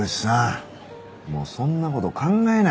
もうそんな事考えないで。